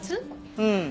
うん。